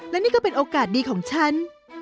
และนี่ก็เป็นโอกาสดีของฉัน